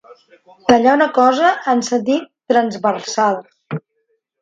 Tallar una cosa en sentit transversal.